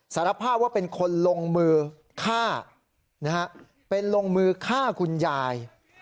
สารภาพว่าเป็นคนลงมือฆ่านะฮะเป็นลงมือฆ่าคุณยาย